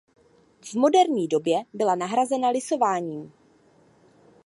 V moderní době byla nahrazena lisováním.